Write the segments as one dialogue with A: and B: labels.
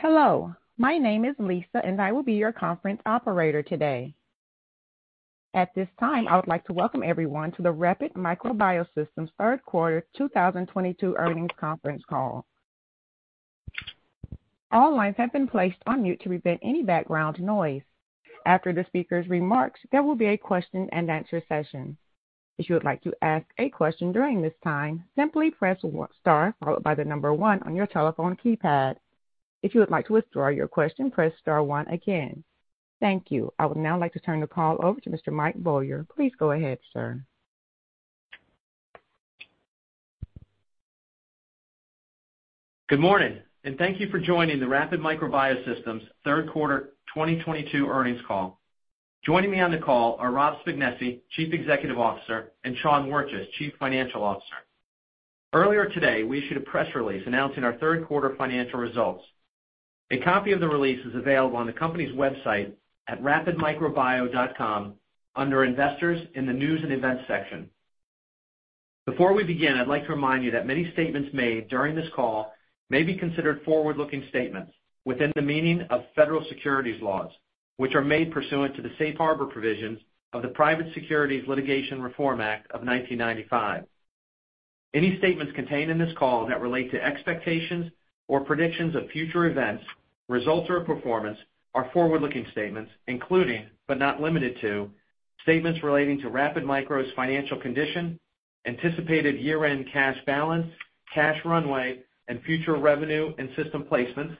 A: Hello. My name is Lisa, and I will be your conference operator today. At this time, I would like to welcome everyone to the Rapid Micro Biosystems Third Quarter 2022 Earnings Conference Call. All lines have been placed on mute to prevent any background noise. After the speaker's remarks, there will be a question-and-answer session. If you would like to ask a question during this time, simply press star followed by the number one on your telephone keypad. If you would like to withdraw your question, press star one again. Thank you. I would now like to turn the call over to Mr. Michael Beaulieu. Please go ahead, sir.
B: Good morning, and thank you for joining the Rapid Micro Biosystems Third Quarter 2022 Earnings Call. Joining me on the call are Rob Spignesi, Chief Executive Officer, and Sean Wirtjes, Chief Financial Officer. Earlier today, we issued a press release announcing our third quarter financial results. A copy of the release is available on the company's website at rapidmicrobio.com under Investors in the News & Events section. Before we begin, I'd like to remind you that many statements made during this call may be considered forward-looking statements within the meaning of federal securities laws, which are made pursuant to the Safe Harbor provisions of the Private Securities Litigation Reform Act of 1995. Any statements contained in this call that relate to expectations or predictions of future events, results or performance are forward-looking statements, including, but not limited to, statements relating to Rapid Micro's financial condition, anticipated year-end cash balance, cash runway, and future revenue and system placements,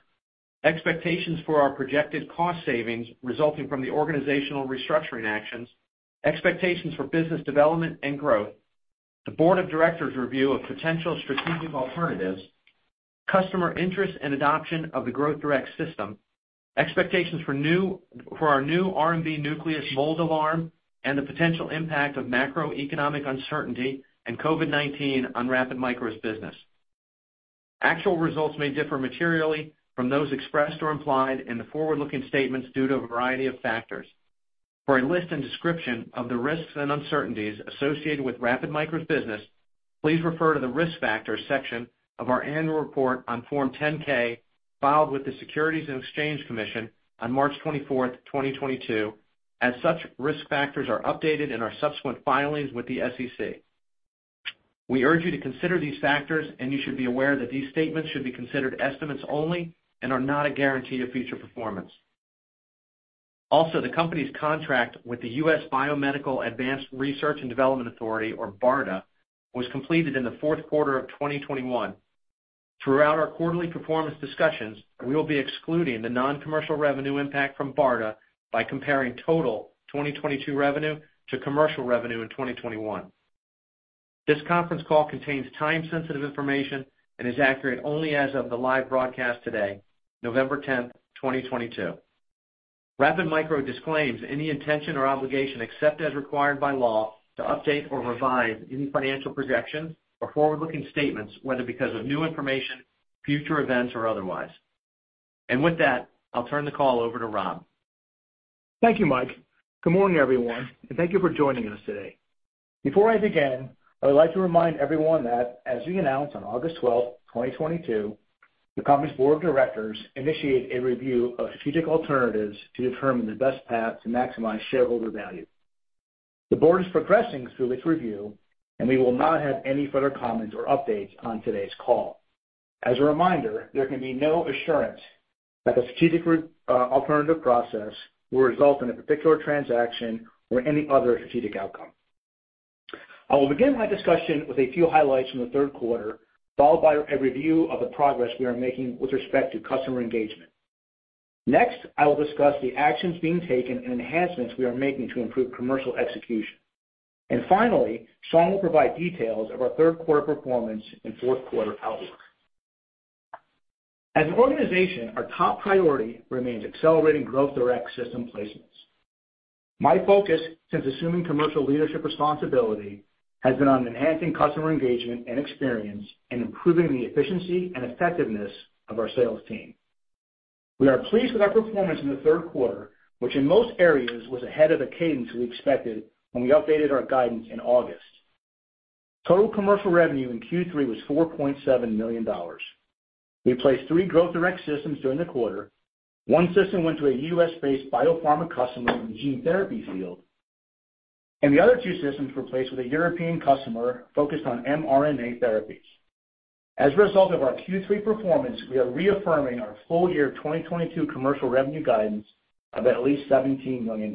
B: expectations for our projected cost savings resulting from the organizational restructuring actions, expectations for business development and growth, the board of directors' review of potential strategic alternatives, customer interest and adoption of the Growth Direct System, expectations for our new RMB Nucleus Mold Alarm, and the potential impact of macroeconomic uncertainty and COVID-19 on Rapid Micro's business. Actual results may differ materially from those expressed or implied in the forward-looking statements due to a variety of factors. For a list and description of the risks and uncertainties associated with Rapid Micro's business, please refer to the Risk Factors section of our annual report on Form 10-K filed with the Securities and Exchange Commission on March 24, 2022, as such risk factors are updated in our subsequent filings with the SEC. We urge you to consider these factors, and you should be aware that these statements should be considered estimates only and are not a guarantee of future performance. The company's contract with the Biomedical Advanced Research and Development Authority, or BARDA, was completed in the fourth quarter of 2021. Throughout our quarterly performance discussions, we will be excluding the non-commercial revenue impact from BARDA by comparing total 2022 revenue to commercial revenue in 2021. This conference call contains time-sensitive information and is accurate only as of the live broadcast today, November 10, 2022. Rapid Micro disclaims any intention or obligation, except as required by law, to update or revise any financial projections or forward-looking statements, whether because of new information, future events, or otherwise. With that, I'll turn the call over to Rob.
C: Thank you, Mike. Good morning, everyone, and thank you for joining us today. Before I begin, I would like to remind everyone that as we announced on August 12, 2022, the company's board of directors initiated a review of strategic alternatives to determine the best path to maximize shareholder value. The board is progressing through its review, and we will not have any further comments or updates on today's call. As a reminder, there can be no assurance that the strategic alternative process will result in a particular transaction or any other strategic outcome. I will begin my discussion with a few highlights from the third quarter, followed by a review of the progress we are making with respect to customer engagement. Next, I will discuss the actions being taken and enhancements we are making to improve commercial execution. Finally, Sean will provide details of our third quarter performance and fourth quarter outlook. As an organization, our top priority remains accelerating Growth Direct System placements. My focus since assuming commercial leadership responsibility has been on enhancing customer engagement and experience and improving the efficiency and effectiveness of our sales team. We are pleased with our performance in the third quarter, which in most areas was ahead of the cadence we expected when we updated our guidance in August. Total commercial revenue in Q3 was $4.7 million. We placed three Growth Direct Systems during the quarter. One system went to a U.S.-based biopharma customer in the gene therapy field, and the other two systems were placed with a European customer focused on mRNA therapies. As a result of our Q3 performance, we are reaffirming our full year 2022 commercial revenue guidance of at least $17 million.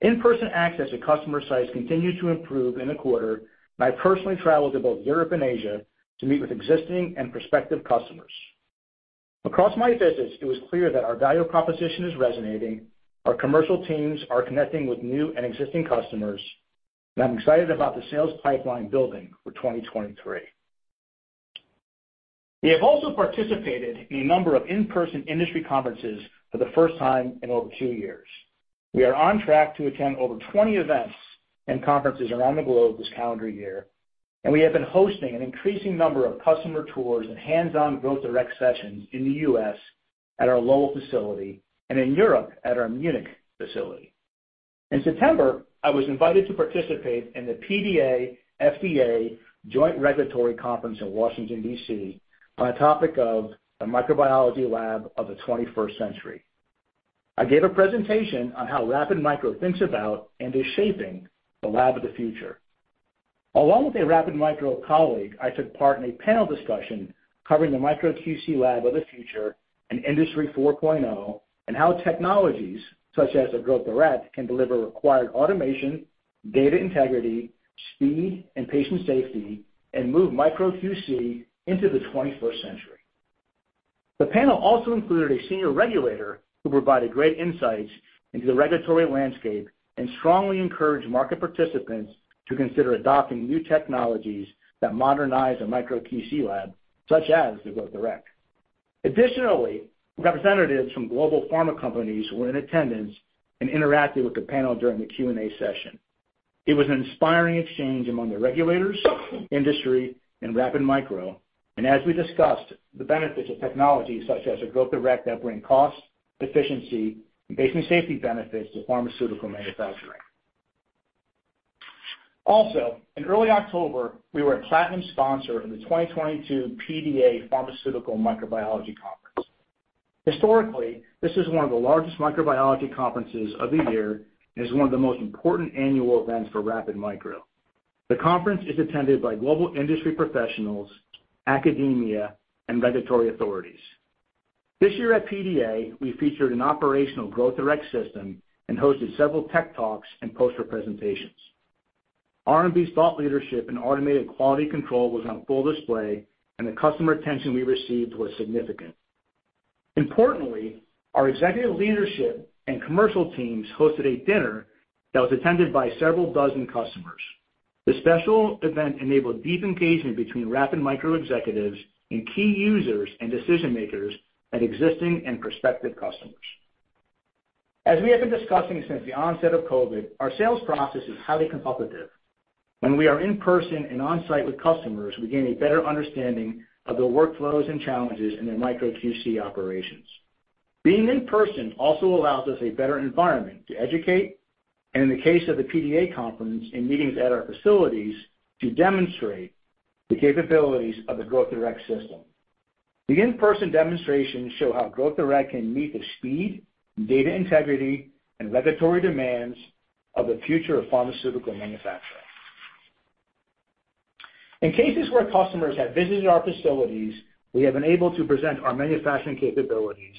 C: In-person access at customer sites continued to improve in the quarter, and I personally traveled to both Europe and Asia to meet with existing and prospective customers. Across my visits, it was clear that our value proposition is resonating, our commercial teams are connecting with new and existing customers, and I'm excited about the sales pipeline building for 2023. We have also participated in a number of in-person industry conferences for the first time in over two years. We are on track to attend over 20 events and conferences around the globe this calendar year, and we have been hosting an increasing number of customer tours and hands-on Growth Direct sessions in the U.S. at our Lowell facility and in Europe at our Munich facility. In September, I was invited to participate in the PDA/FDA Joint Regulatory Conference in Washington, D.C., on the topic of the microbiology lab of the 21st century. I gave a presentation on how Rapid Micro thinks about and is shaping the lab of the future. Along with a Rapid Micro colleague, I took part in a panel discussion covering the Micro QC lab of the future and Industry 4.0, and how technologies, such as the Growth Direct, can deliver required automation, data integrity, speed, and patient safety and move Micro QC into the 21st century. The panel also included a senior regulator who provided great insights into the regulatory landscape and strongly encouraged market participants to consider adopting new technologies that modernize a Micro QC lab, such as the Growth Direct. Additionally, representatives from global pharma companies were in attendance and interacted with the panel during the Q&A session. It was an inspiring exchange among the regulators, industry, and Rapid Micro. As we discussed, the benefits of technologies such as the Growth Direct that bring cost, efficiency, and patient safety benefits to pharmaceutical manufacturing. Also, in early October, we were a platinum sponsor of the 2022 PDA Pharmaceutical Microbiology Conference. Historically, this is one of the largest microbiology conferences of the year and is one of the most important annual events for Rapid Micro. The conference is attended by global industry professionals, academia, and regulatory authorities. This year at PDA, we featured an operational Growth Direct system and hosted several tech talks and poster presentations. RMB's thought leadership in automated quality control was on full display, and the customer attention we received was significant. Importantly, our executive leadership and commercial teams hosted a dinner that was attended by several dozen customers. The special event enabled deep engagement between Rapid Micro executives and key users and decision-makers at existing and prospective customers. As we have been discussing since the onset of COVID, our sales process is highly consultative. When we are in person and on-site with customers, we gain a better understanding of their workflows and challenges in their Micro QC operations. Being in person also allows us a better environment to educate, and in the case of the PDA conference and meetings at our facilities, to demonstrate the capabilities of the Growth Direct system. The in-person demonstrations show how Growth Direct can meet the speed, data integrity, and regulatory demands of the future of pharmaceutical manufacturing. In cases where customers have visited our facilities, we have been able to present our manufacturing capabilities,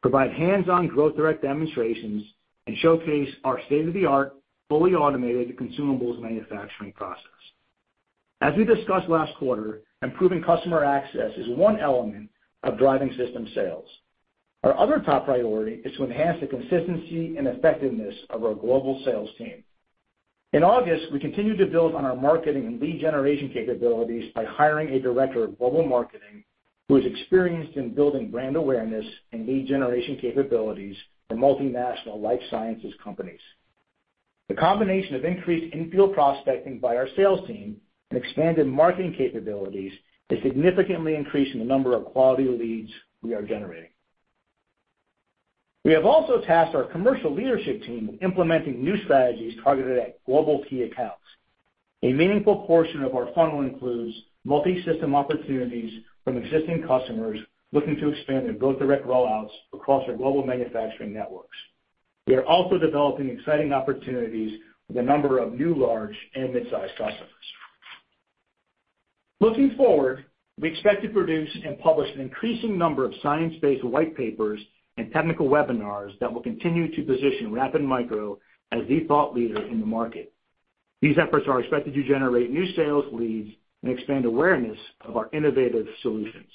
C: provide hands-on Growth Direct demonstrations, and showcase our state-of-the-art, fully automated consumables manufacturing process. As we discussed last quarter, improving customer access is one element of driving system sales. Our other top priority is to enhance the consistency and effectiveness of our global sales team. In August, we continued to build on our marketing and lead generation capabilities by hiring a director of global marketing who is experienced in building brand awareness and lead generation capabilities for multinational life sciences companies. The combination of increased in-field prospecting by our sales team and expanded marketing capabilities is significantly increasing the number of quality leads we are generating. We have also tasked our commercial leadership team with implementing new strategies targeted at global key accounts. A meaningful portion of our funnel includes multi-system opportunities from existing customers looking to expand their Growth Direct rollouts across their global manufacturing networks. We are also developing exciting opportunities with a number of new large and mid-sized customers. Looking forward, we expect to produce and publish an increasing number of science-based white papers and technical webinars that will continue to position Rapid Micro as the thought leader in the market. These efforts are expected to generate new sales leads and expand awareness of our innovative solutions.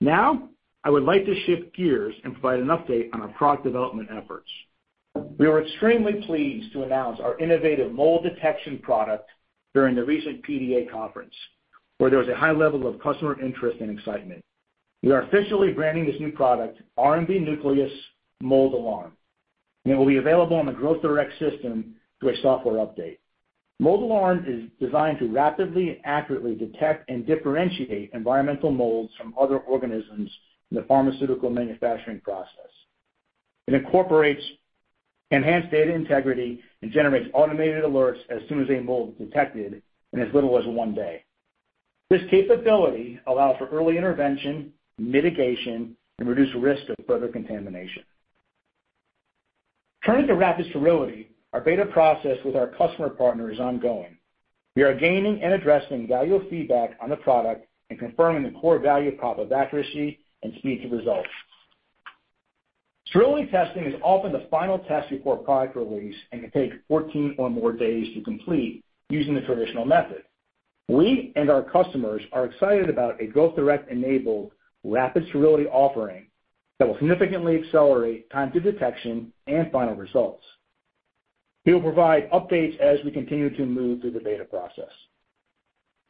C: Now, I would like to shift gears and provide an update on our product development efforts. We were extremely pleased to announce our innovative mold detection product during the recent PDA conference, where there was a high level of customer interest and excitement. We are officially branding this new product RMB Nucleus Mold Alarm, and it will be available on the Growth Direct System through a software update. Mold Alarm is designed to rapidly and accurately detect and differentiate environmental molds from other organisms in the pharmaceutical manufacturing process. It incorporates enhanced data integrity and generates automated alerts as soon as a mold is detected in as little as one day. This capability allows for early intervention, mitigation, and reduced risk of further contamination. Turning to Rapid Sterility, our beta process with our customer partner is ongoing. We are gaining and addressing valuable feedback on the product and confirming the core value prop of accuracy and speed to results. Sterility testing is often the final test before product release and can take 14 or more days to complete using the traditional method. We and our customers are excited about a Growth Direct-enabled Rapid Sterility offering that will significantly accelerate time to detection and final results. We will provide updates as we continue to move through the beta process.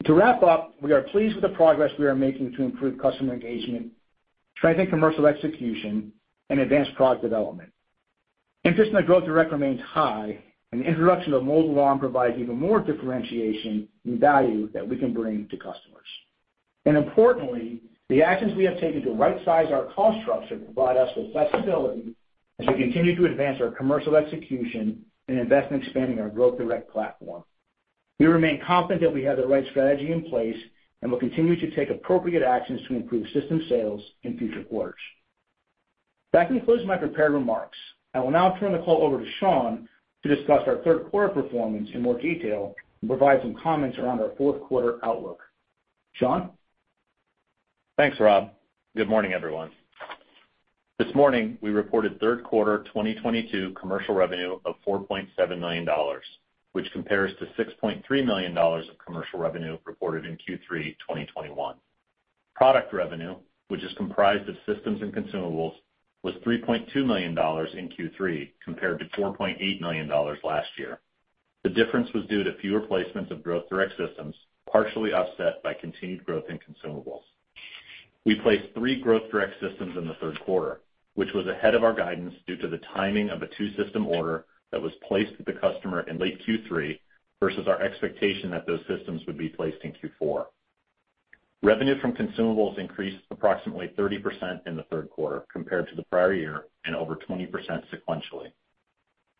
C: To wrap up, we are pleased with the progress we are making to improve customer engagement, strengthen commercial execution, and advance product development. Interest in the Growth Direct remains high, and the introduction of Mold Alarm provides even more differentiation and value that we can bring to customers. Importantly, the actions we have taken to rightsize our cost structure provide us with flexibility as we continue to advance our commercial execution and invest in expanding our Growth Direct platform. We remain confident that we have the right strategy in place, and will continue to take appropriate actions to improve system sales in future quarters. That concludes my prepared remarks. I will now turn the call over to Sean to discuss our third quarter performance in more detail and provide some comments around our fourth quarter outlook. Sean?
D: Thanks, Rob. Good morning, everyone. This morning, we reported third quarter 2022 commercial revenue of $4.7 million, which compares to $6.3 million of commercial revenue reported in Q3 2021. Product revenue, which is comprised of systems and consumables, was $3.2 million in Q3, compared to $4.8 million last year. The difference was due to fewer placements of Growth Direct® systems, partially offset by continued growth in consumables. We placed three Growth Direct® systems in the third quarter, which was ahead of our guidance due to the timing of a 2-system order that was placed with the customer in late Q3 versus our expectation that those systems would be placed in Q4. Revenue from consumables increased approximately 30% in the third quarter compared to the prior year and over 20% sequentially.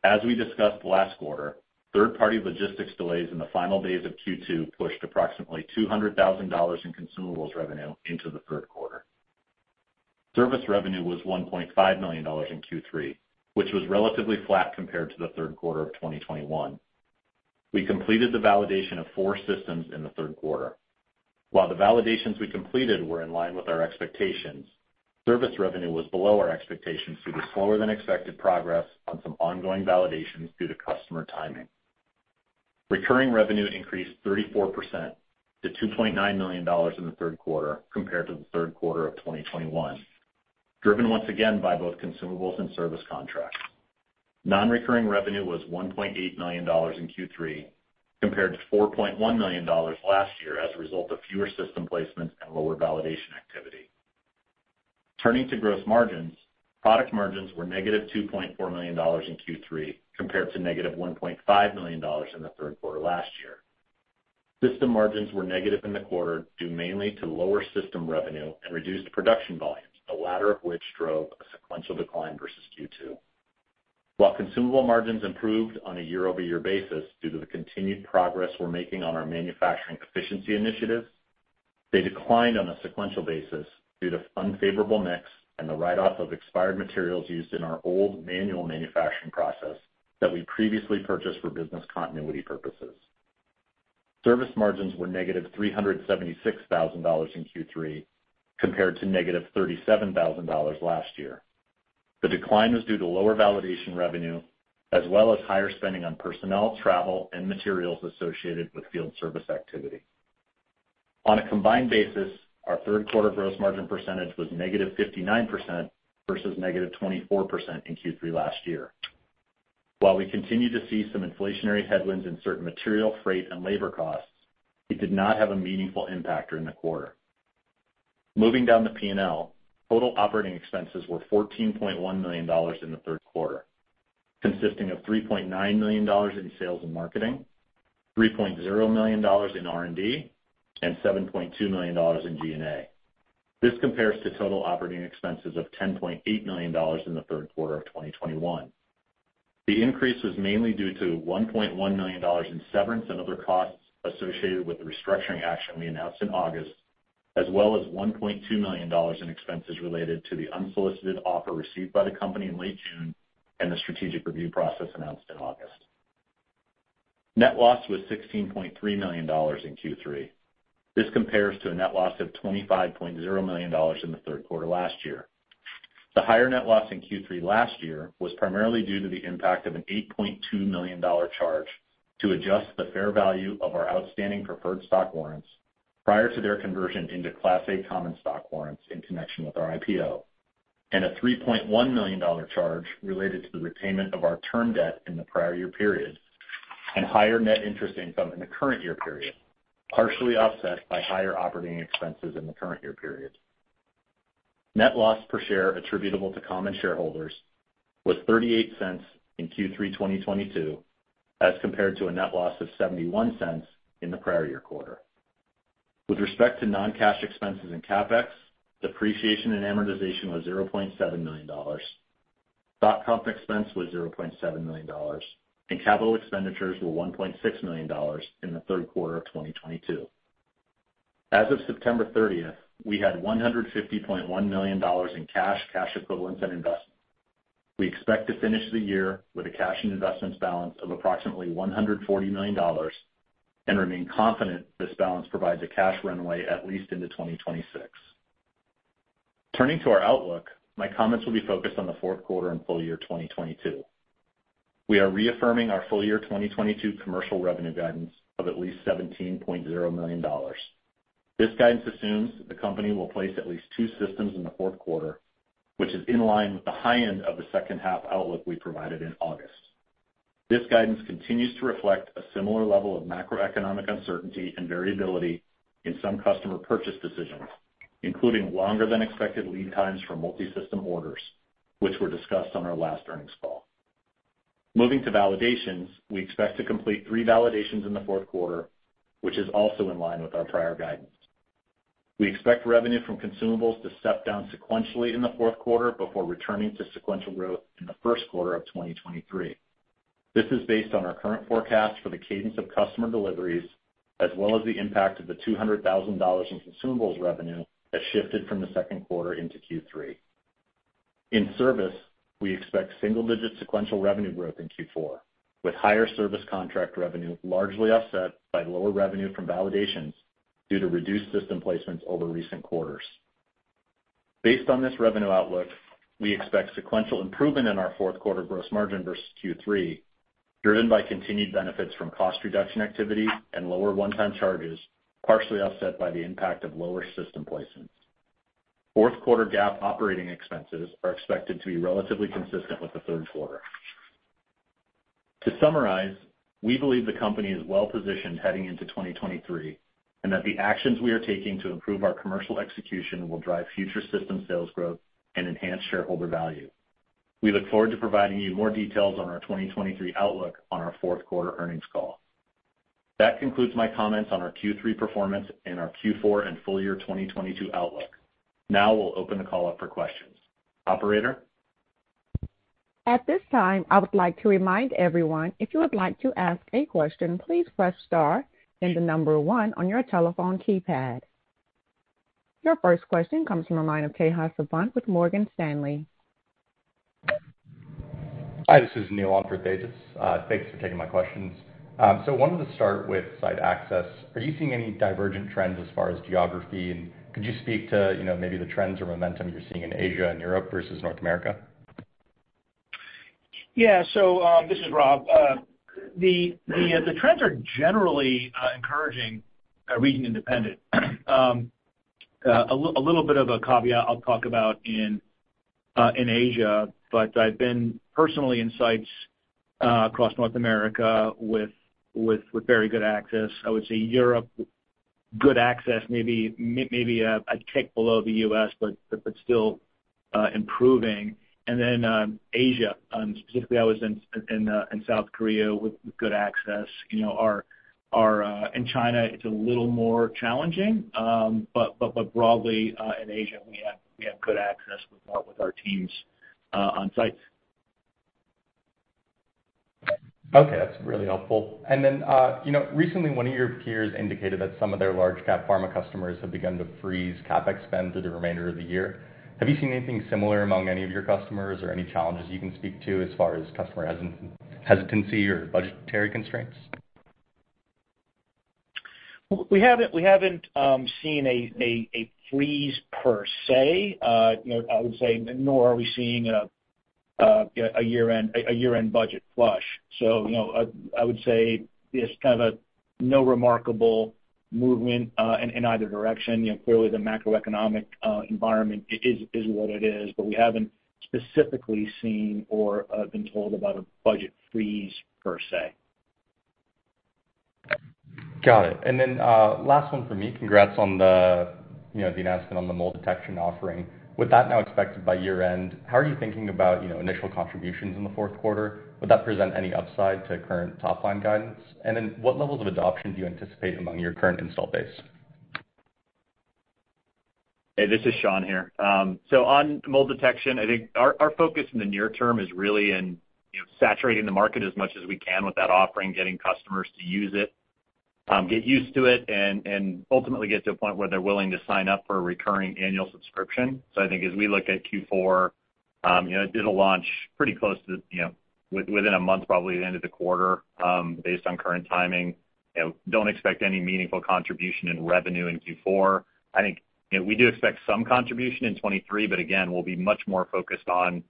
D: As we discussed last quarter, third-party logistics delays in the final days of Q2 pushed approximately $200,000 in consumables revenue into the third quarter. Service revenue was $1.5 million in Q3, which was relatively flat compared to the third quarter of 2021. We completed the validation of four systems in the third quarter. While the validations we completed were in line with our expectations, service revenue was below our expectations due to slower than expected progress on some ongoing validations due to customer timing. Recurring revenue increased 34% to $2.9 million in the third quarter compared to the third quarter of 2021, driven once again by both consumables and service contracts. Non-recurring revenue was $1.8 million in Q3 compared to $4.1 million last year as a result of fewer system placements and lower validation activity. Turning to gross margins, product margins were -$2.4 million in Q3 compared to -$1.5 million in the third quarter last year. System margins were negative in the quarter due mainly to lower system revenue and reduced production volumes, the latter of which drove a sequential decline versus Q2. While consumable margins improved on a year-over-year basis due to the continued progress we're making on our manufacturing efficiency initiatives, they declined on a sequential basis due to unfavorable mix and the write-off of expired materials used in our old manual manufacturing process that we previously purchased for business continuity purposes. Service margins were -$376 thousand in Q3 compared to -$37 thousand last year. The decline was due to lower validation revenue as well as higher spending on personnel, travel, and materials associated with field service activity. On a combined basis, our third quarter gross margin percentage was -59% versus -24% in Q3 last year. While we continue to see some inflationary headwinds in certain material, freight, and labor costs, it did not have a meaningful impact during the quarter. Moving down the P&L, total operating expenses were $14.1 million in the third quarter, consisting of $3.9 million in sales and marketing, $3.0 million in R&D, and $7.2 million in G&A. This compares to total operating expenses of $10.8 million in the third quarter of 2021. The increase was mainly due to $1.1 million in severance and other costs associated with the restructuring action we announced in August, as well as $1.2 million in expenses related to the unsolicited offer received by the company in late June and the strategic review process announced in August. Net loss was $16.3 million in Q3. This compares to a net loss of $25.0 million in the third quarter last year. The higher net loss in Q3 last year was primarily due to the impact of an $8.2 million charge to adjust the fair value of our outstanding preferred stock warrants prior to their conversion into Class A common stock warrants in connection with our IPO, and a $3.1 million charge related to the repayment of our term debt in the prior year period, and higher net interest income in the current year period, partially offset by higher operating expenses in the current year period. Net loss per share attributable to common shareholders was $0.38 in Q3 2022, as compared to a net loss of $0.71 in the prior year quarter. With respect to non-cash expenses and CapEx, depreciation and amortization was $0.7 million. Stock comp expense was $0.7 million, and capital expenditures were $1.6 million in the third quarter of 2022. As of September 30, we had $150.1 million in cash equivalents, and investments. We expect to finish the year with a cash and investments balance of approximately $140 million and remain confident this balance provides a cash runway at least into 2026. Turning to our outlook, my comments will be focused on the fourth quarter and full year 2022. We are reaffirming our full year 2022 commercial revenue guidance of at least $17.0 million. This guidance assumes the company will place at least two systems in the fourth quarter, which is in line with the high end of the second half outlook we provided in August. This guidance continues to reflect a similar level of macroeconomic uncertainty and variability in some customer purchase decisions, including longer than expected lead times for multisystem orders, which were discussed on our last earnings call. Moving to validations, we expect to complete three validations in the fourth quarter, which is also in line with our prior guidance. We expect revenue from consumables to step down sequentially in the fourth quarter before returning to sequential growth in the first quarter of 2023. This is based on our current forecast for the cadence of customer deliveries, as well as the impact of the $200,000 in consumables revenue that shifted from the second quarter into Q3. In service, we expect single digit sequential revenue growth in Q4, with higher service contract revenue largely offset by lower revenue from validations due to reduced system placements over recent quarters. Based on this revenue outlook, we expect sequential improvement in our fourth quarter gross margin versus Q3, driven by continued benefits from cost reduction activity and lower one-time charges, partially offset by the impact of lower system placements. Fourth quarter GAAP operating expenses are expected to be relatively consistent with the third quarter. To summarize, we believe the company is well-positioned heading into 2023, and that the actions we are taking to improve our commercial execution will drive future system sales growth and enhance shareholder value. We look forward to providing you more details on our 2023 outlook on our fourth quarter earnings call. That concludes my comments on our Q3 performance and our Q4 and full year 2022 outlook. Now we'll open the call up for questions. Operator?
A: At this time, I would like to remind everyone, if you would like to ask a question, please press star, then the number one on your telephone keypad. Your first question comes from the line of Tejas Savant with Morgan Stanley.
E: Hi, this is Neil Avant for Tejas. Thanks for taking my questions. Wanted to start with site access. Are you seeing any divergent trends as far as geography? Could you speak to, you know, maybe the trends or momentum you're seeing in Asia and Europe versus North America?
C: Yeah. This is Rob. The trends are generally encouraging, region independent. A little bit of a caveat I'll talk about in Asia, but I've been personally in sites across North America with very good access. I would say Europe, good access, maybe a tick below the U.S., but still improving. Asia, specifically I was in South Korea with good access. You know. In China, it's a little more challenging, but broadly in Asia we have good access with our teams on sites.
E: Okay. That's really helpful. You know, recently one of your peers indicated that some of their large cap pharma customers have begun to freeze CapEx spend through the remainder of the year. Have you seen anything similar among any of your customers or any challenges you can speak to as far as customer hesitancy or budgetary constraints?
C: We haven't seen a freeze per se. You know, I would say nor are we seeing a year-end budget flush. You know, I would say there's kind of no remarkable movement in either direction. You know, clearly the macroeconomic environment is what it is. We haven't specifically seen or been told about a budget freeze per se.
E: Got it. Last one for me. Congrats on the, you know, the announcement on the mold detection offering. With that now expected by year end, how are you thinking about, you know, initial contributions in the fourth quarter? Would that present any upside to current top line guidance? What levels of adoption do you anticipate among your current installed base?
D: Hey, this is Sean here. On mold detection, I think our focus in the near term is really in, you know, saturating the market as much as we can with that offering, getting customers to use it, get used to it, and ultimately get to a point where they're willing to sign up for a recurring annual subscription. I think as we look at Q4, you know, it'll launch pretty close to, you know, within a month probably the end of the quarter, based on current timing. You know, don't expect any meaningful contribution in revenue in Q4. I think, you know, we do expect some contribution in 2023, but again, we'll be much more focused on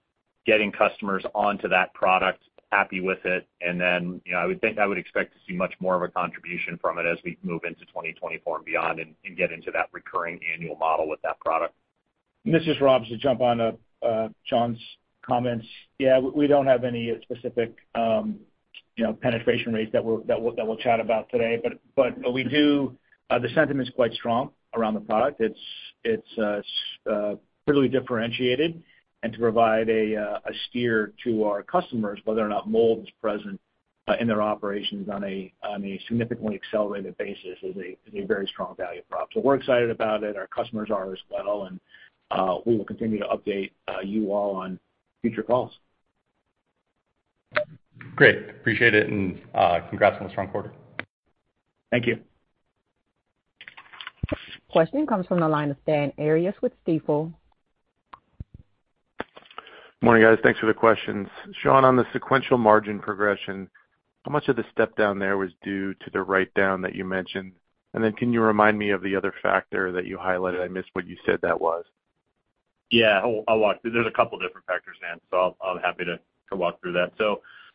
D: getting customers onto that product, happy with it. You know, I would think, I would expect to see much more of a contribution from it as we move into 2024 and beyond and get into that recurring annual model with that product.
C: This is Rob. To jump on Sean's comments, yeah, we don't have any specific, you know, penetration rates that we'll chat about today. We do. The sentiment is quite strong around the product. It's clearly differentiated, and to provide a steer to our customers whether or not mold is present in their operations on a significantly accelerated basis is a very strong value prop. We're excited about it, our customers are as well, and we will continue to update you all on future calls.
E: Great. Appreciate it, and congrats on the strong quarter.
C: Thank you.
A: Question comes from the line of Dan Arias with Stifel.
F: Morning, guys. Thanks for the questions. Sean, on the sequential margin progression, how much of the step down there was due to the write down that you mentioned? Can you remind me of the other factor that you highlighted? I missed what you said that was.
D: I'll walk through. There's a couple different factors, Dan, so I'm happy to walk through that.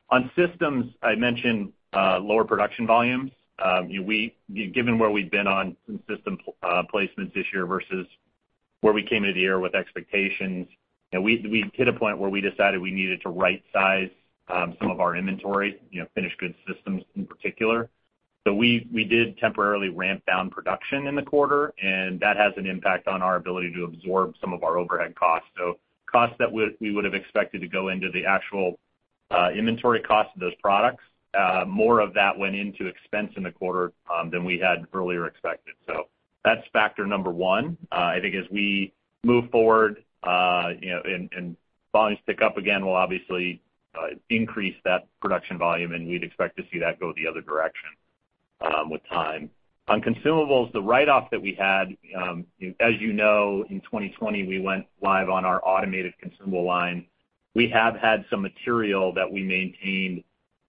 D: On systems, I mentioned lower production volumes. Given where we've been on some system placements this year versus where we came into the year with expectations, you know, we hit a point where we decided we needed to right size some of our inventory, you know, finished goods systems in particular. We did temporarily ramp down production in the quarter, and that has an impact on our ability to absorb some of our overhead costs. Costs that we would have expected to go into the actual inventory cost of those products, more of that went into expense in the quarter than we had earlier expected. That's factor number one. I think as we move forward, you know, and volumes pick up again, we'll obviously increase that production volume, and we'd expect to see that go the other direction with time. On consumables, the write-off that we had, as you know, in 2020, we went live on our automated consumable line. We have had some material that we maintained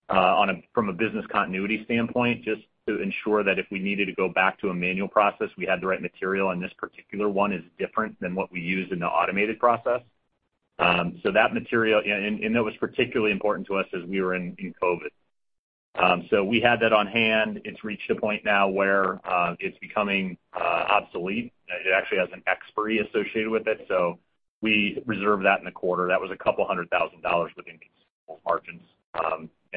D: from a business continuity standpoint, just to ensure that if we needed to go back to a manual process, we had the right material, and this particular one is different than what we use in the automated process. So that material, yeah, and that was particularly important to us as we were in COVID. So we had that on hand. It's reached a point now where it's becoming obsolete. It actually has an expiry associated with it. We reserved that in the quarter. That was $200,000 within these margins.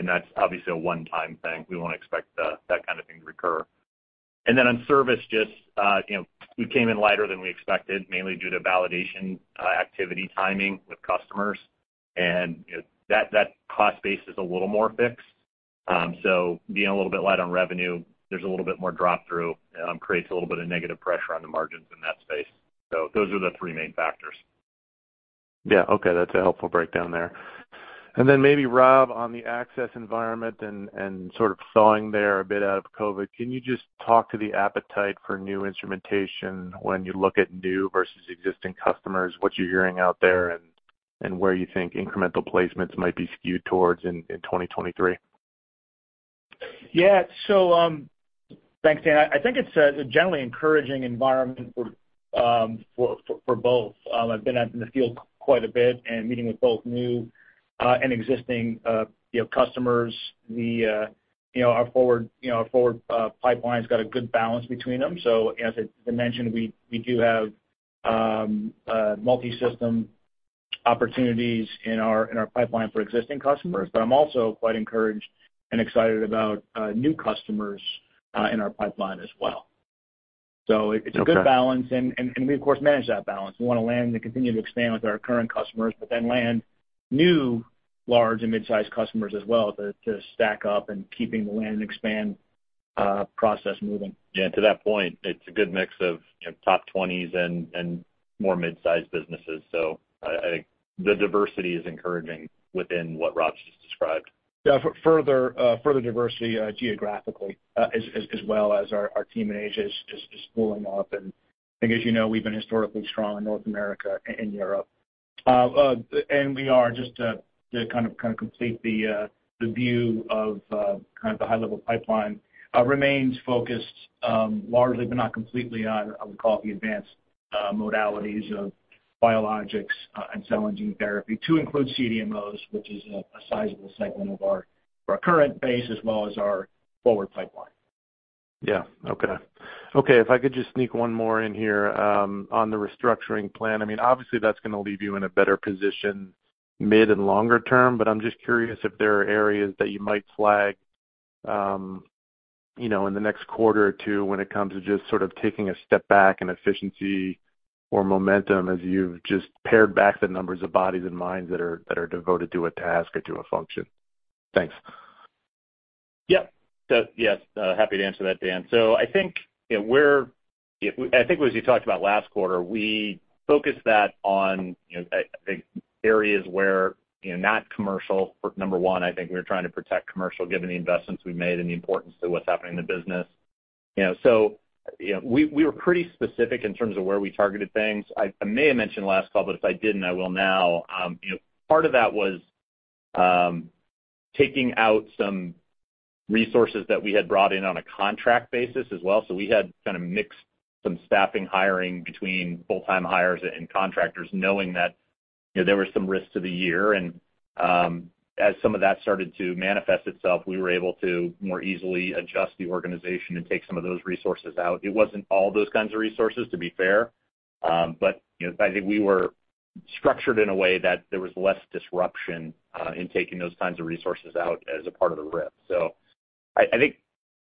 D: That's obviously a one-time thing. We won't expect that kind of thing to recur. On service, just you know, we came in lighter than we expected, mainly due to validation activity timing with customers. You know, that cost base is a little more fixed. Being a little bit light on revenue, there's a little bit more drop through, creates a little bit of negative pressure on the margins in that space. Those are the three main factors.
F: Yeah. Okay. That's a helpful breakdown there. Maybe Rob, on the access environment and sort of thawing there a bit out of COVID, can you just talk to the appetite for new instrumentation when you look at new versus existing customers, what you're hearing out there and where you think incremental placements might be skewed towards in 2023?
C: Yeah. Thanks, Dan. I think it's a generally encouraging environment for both. I've been out in the field quite a bit and meeting with both new and existing, you know, customers. Our forward pipeline's got a good balance between them. As I mentioned, we do have multisystem opportunities in our pipeline for existing customers. I'm also quite encouraged and excited about new customers in our pipeline as well. It's a good balance. We, of course, manage that balance. We wanna land and continue to expand with our current customers, but then land new large and mid-sized customers as well to stack up and keeping the land and expand process moving.
D: Yeah, to that point, it's a good mix of, you know, top twenties and more mid-sized businesses. I think the diversity is encouraging within what Rob's just described.
C: Yeah. Further diversity geographically as well as our team in Asia is spooling up. I think, as you know, we've been historically strong in North America and Europe. We are just to kind of complete the view of kind of the high level pipeline remains focused largely, but not completely on, I would call it, the advanced modalities of biologics and cell and gene therapy to include CDMOs, which is a sizable segment of our current base as well as our forward pipeline.
F: Yeah. Okay, if I could just sneak one more in here, on the restructuring plan. I mean, obviously that's gonna leave you in a better position mid and longer term, but I'm just curious if there are areas that you might flag, you know, in the next quarter or two when it comes to just sort of taking a step back in efficiency or momentum as you've just pared back the numbers of bodies and minds that are devoted to a task or to a function. Thanks.
D: Yes, happy to answer that, Dan. I think, you know, I think as we talked about last quarter, we focus that on, you know, I think areas where, you know, not commercial, for number one, I think we're trying to protect commercial given the investments we've made and the importance to what's happening in the business. You know, you know, we were pretty specific in terms of where we targeted things. I may have mentioned last call, but if I didn't, I will now. You know, part of that was taking out some resources that we had brought in on a contract basis as well. We had kind of mixed some staffing hiring between full-time hires and contractors, knowing that, you know, there were some risks to the year. As some of that started to manifest itself, we were able to more easily adjust the organization and take some of those resources out. It wasn't all those kinds of resources, to be fair. You know, I think we were structured in a way that there was less disruption in taking those kinds of resources out as a part of the RIF. I think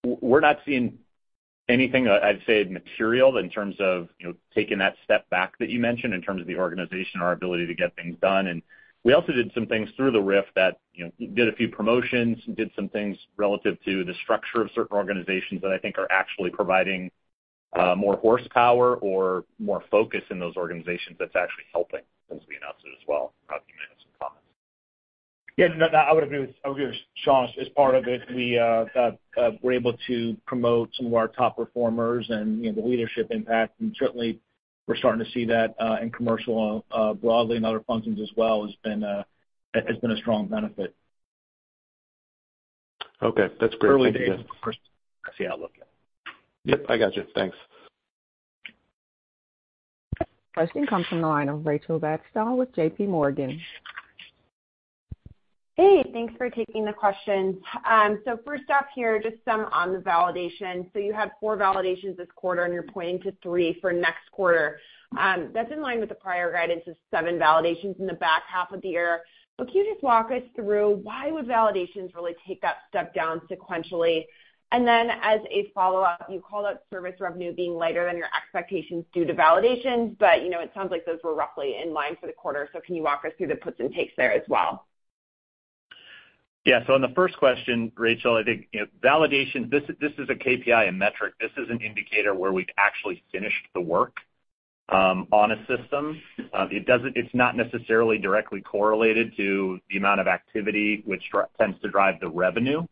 D: we're not seeing anything I'd say material in terms of, you know, taking that step back that you mentioned in terms of the organization, our ability to get things done. We also did some things through the RIF that, you know, did a few promotions and did some things relative to the structure of certain organizations that I think are actually providing more horsepower or more focus in those organizations that's actually helping things we announced as well as you made in some comments.
C: Yeah. No, I would agree with Sean. As part of it, we were able to promote some of our top performers and, you know, the leadership impact, and certainly we're starting to see that in commercial broadly and other functions as well has been a strong benefit.
F: Okay. That's great. Thank you.
D: Early days, of course. That's the outlook.
F: Yep. I got you. Thanks.
A: Question comes from the line of Rachel Vatnsdal with JPMorgan.
G: Hey, thanks for taking the questions. First off here, just some on the validation. You had four validations this quarter and you're pointing to three for next quarter. That's in line with the prior guidance of seven validations in the back half of the year. Can you just walk us through why would validations really take that step down sequentially? Then as a follow-up, you called out service revenue being lighter than your expectations due to validations, you know, it sounds like those were roughly in line for the quarter. Can you walk us through the puts and takes there as well?
D: Yeah. On the first question, Rachel, I think, you know, validation, this is a KPI and metric. This is an indicator where we've actually finished the work on a system. It doesn't. It's not necessarily directly correlated to the amount of activity which tends to drive the revenue.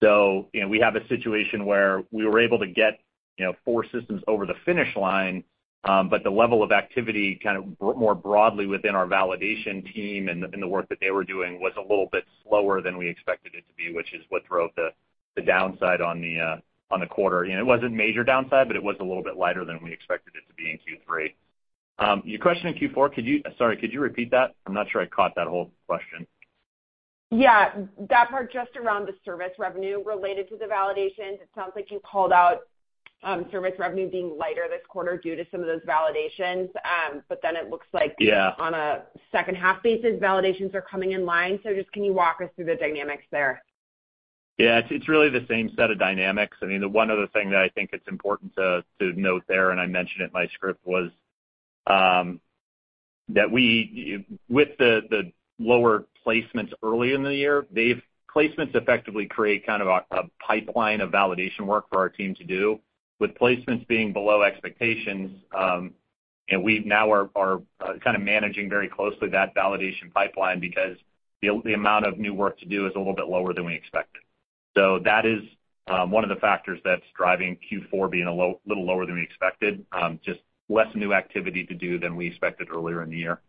D: You know, we have a situation where we were able to get, you know, four systems over the finish line, but the level of activity kind of more broadly within our validation team and the work that they were doing was a little bit slower than we expected it to be, which is what drove the downside on the quarter. You know, it wasn't major downside, but it was a little bit lighter than we expected it to be in Q3. Your question in Q4, sorry, could you repeat that? I'm not sure I caught that whole question.
G: Yeah. That part just around the service revenue related to the validations. It sounds like you called out service revenue being lighter this quarter due to some of those validations. It looks like-
D: Yeah
G: On a second half basis, validations are coming in line. Just can you walk us through the dynamics there?
D: Yeah. It's really the same set of dynamics. I mean, the one other thing that I think it's important to note there, and I mentioned it in my script, with the lower placements early in the year. Placements effectively create kind of a pipeline of validation work for our team to do. With placements being below expectations, you know, we now are kind of managing very closely that validation pipeline because the amount of new work to do is a little bit lower than we expected. That is one of the factors that's driving Q4 being a little lower than we expected. Just less new activity to do than we expected earlier in the year.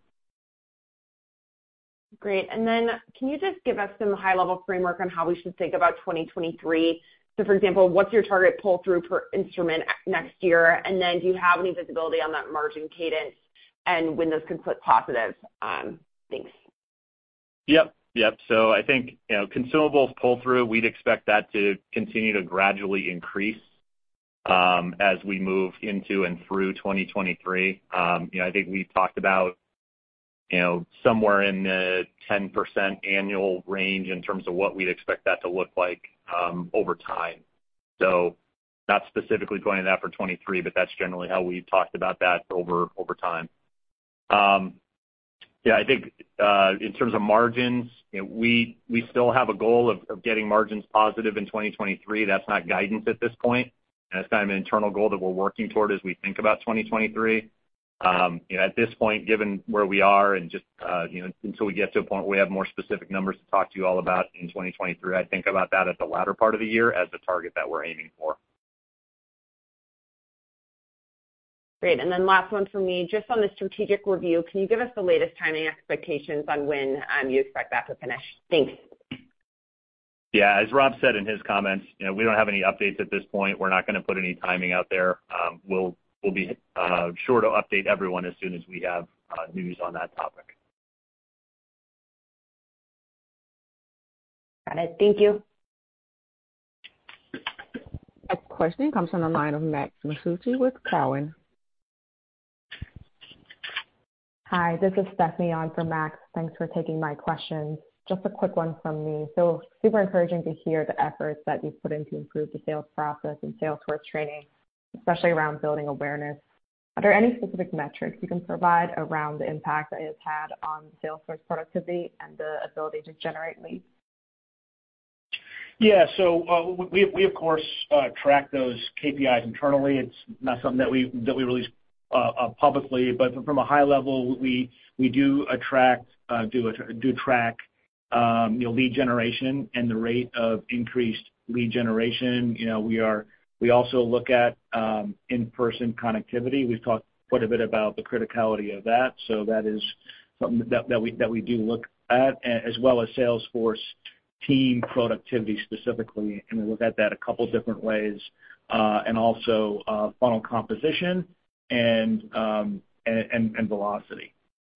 G: Great. Can you just give us some high-level framework on how we should think about 2023? For example, what's your target pull-through per instrument at next year? Do you have any visibility on that margin cadence and when those can flip positive? Thanks.
D: Yep, yep. I think, you know, consumables pull-through, we'd expect that to continue to gradually increase, as we move into and through 2023. You know, I think we've talked about, you know, somewhere in the 10% annual range in terms of what we'd expect that to look like, over time. Not specifically pointing to that for 2023, but that's generally how we've talked about that over time. Yeah, I think, in terms of margins, you know, we still have a goal of getting margins positive in 2023. That's not guidance at this point. That's kind of an internal goal that we're working toward as we think about 2023. You know, at this point, given where we are and just, you know, until we get to a point where we have more specific numbers to talk to you all about in 2023, I think about that at the latter part of the year as the target that we're aiming for.
G: Great. Last one from me. Just on the strategic review, can you give us the latest timing expectations on when you expect that to finish? Thanks.
D: Yeah. As Rob said in his comments, you know, we don't have any updates at this point. We're not gonna put any timing out there. We'll be sure to update everyone as soon as we have news on that topic.
G: Got it. Thank you.
A: Next question comes from the line of Max Masucci with Cowen.
H: Hi, this is Stephanie on for Max. Thanks for taking my questions. Just a quick one from me. Super encouraging to hear the efforts that you've put in to improve the sales process and sales force training, especially around building awareness. Are there any specific metrics you can provide around the impact that it's had on sales force productivity and the ability to generate leads?
D: Yeah. We of course track those KPIs internally. It's not something that we release publicly. From a high level, we do track, you know, lead generation and the rate of increased lead generation. You know, we also look at in-person connectivity. We've talked quite a bit about the criticality of that, so that is something that we do look at, as well as sales force team productivity specifically, and we look at that a couple different ways, and also funnel composition and velocity.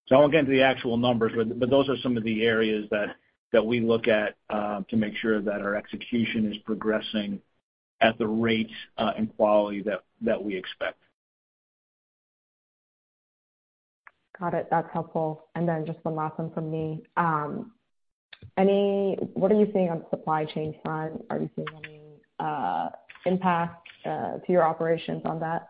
D: I won't get into the actual numbers, but those are some of the areas that we look at to make sure that our execution is progressing at the rate and quality that we expect.
H: Got it. That's helpful. Just one last one from me. What are you seeing on the supply chain front? Are you seeing any impact to your operations on that?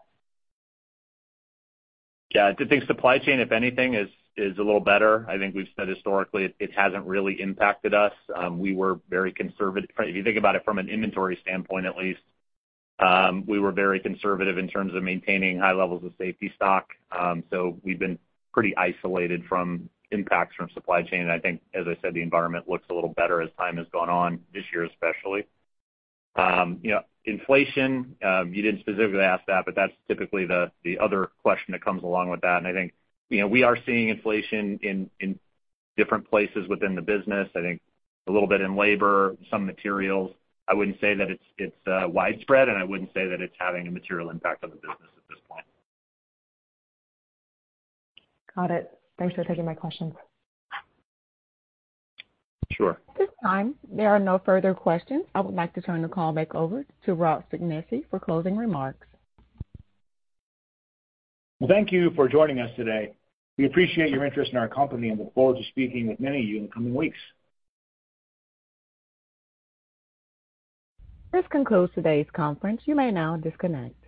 D: Yeah. I think supply chain, if anything, is a little better. I think we've said historically it hasn't really impacted us. We were very conservative. If you think about it from an inventory standpoint, at least, we were very conservative in terms of maintaining high levels of safety stock. We've been pretty isolated from impacts from supply chain. I think, as I said, the environment looks a little better as time has gone on this year, especially. You know, inflation, you didn't specifically ask that, but that's typically the other question that comes along with that. I think, you know, we are seeing inflation in different places within the business. I think a little bit in labor, some materials. I wouldn't say that it's widespread, and I wouldn't say that it's having a material impact on the business at this point.
H: Got it. Thanks for taking my questions.
D: Sure.
A: At this time, there are no further questions. I would like to turn the call back over to Rob Spignesi for closing remarks.
C: Well, thank you for joining us today. We appreciate your interest in our company and look forward to speaking with many of you in the coming weeks.
A: This concludes today's conference. You may now disconnect.